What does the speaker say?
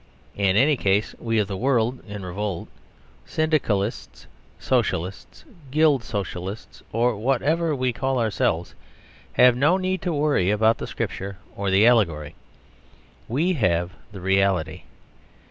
In any case we of the world in revolt Syndicalists, Socialists, Guild Socialists, or whatever we call ourselves have no need to worry about the scripture or the allegory. We have the reality.